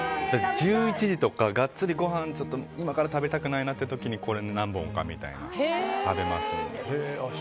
１１時とか、ガッツリごはんを今から食べたくないなという時にこれ何本かみたいな、食べます。